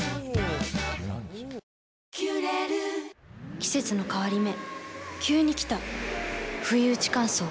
季節の変わり目急に来たふいうち乾燥。